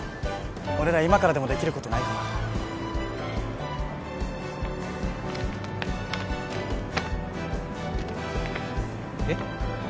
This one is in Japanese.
俺ら今からでもできることないかなえっ？